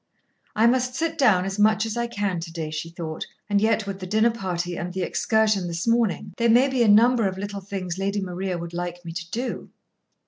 "I must sit down as much as I can to day," she thought. "And yet, with the dinner party and the excursion this morning, there may be a number of little things Lady Maria would like me to do."